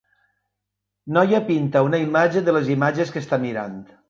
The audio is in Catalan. Noia pinta una imatge de les imatges que està mirant.